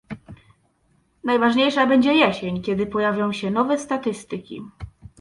Najważniejsza będzie jesień, kiedy pojawią się nowe statystyki